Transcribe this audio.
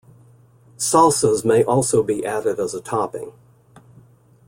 Salsas may also be added as a topping.